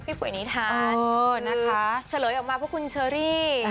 พี่ปุ๋ยนิทัศน์เออนะคะคือเฉลยออกมาเพราะคุณเชอรี่